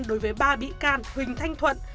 đối với ba bị can huỳnh thanh thuật